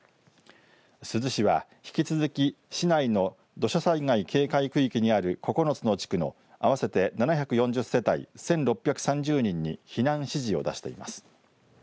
珠洲市は引き続き市内の土砂災害警戒区域にある９つの地区の合わせて７４０世帯１６３０人に避難指示を出しています。